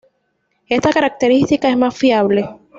Esta característica es más fiable.